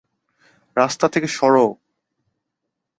রাস্তা থেকে সর!